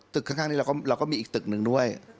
ข้างนี้เราก็มีอีกตึกหนึ่งด้วย